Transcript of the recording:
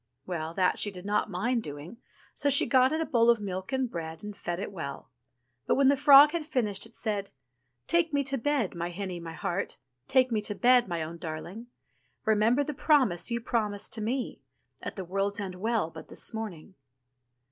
Well, that she did not mind doing, so she got it a bowl of milk and bread, and fed it well. But when the frog had finished, it said :/'^^^"^^^ "Take me to bed, my hinny, my heart, Take me to bed, my own darhng; Remember the promise you promised to me. At the World's End Well but this morning.'